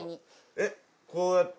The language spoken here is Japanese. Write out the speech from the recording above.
・えっこうやって？